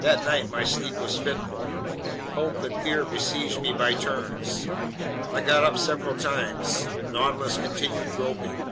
That night my sleep was fitful. Hope and fear besieged me by turns. I got up several times. The Nautilus continued groping.